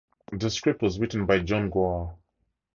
The script was written by John Guare.